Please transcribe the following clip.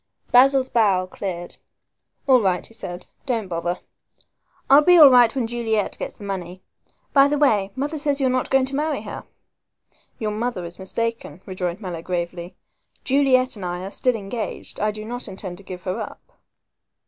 Basil's brow cleared. "All right," he said, "don't bother, I'll be all right when Juliet gets the money. By the way, mother tells me you are not going to marry her." "Your mother is mistaken," rejoined Mallow gravely. "Juliet and I are still engaged. I do not intend to give her up."